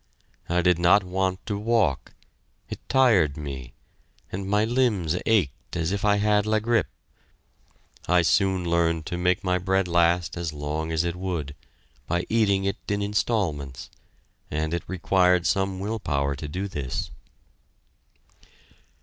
I did not want to walk it tired me, and my limbs ached as if I had la grippe. I soon learned to make my bread last as long as it would, by eating it in instalments, and it required some will power to do this.